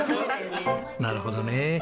なるほどね。